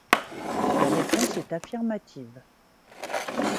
La réponse est affirmative.